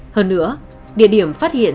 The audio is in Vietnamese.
hơn nữa địa điểm phát hiện